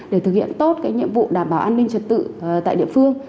để thực hiện tốt cái nhiệm vụ đảm bảo an ninh trật tự tại địa phương